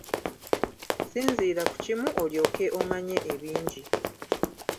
Sinziira ku kimu olyoke omanye ebingi.